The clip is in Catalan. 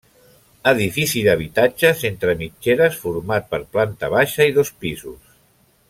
Edifici d'habitatges, entre mitgeres, format per planta baixa i dos pisos.